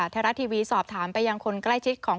ดีวีสอบถามไปยังคนใกล้ชิดของ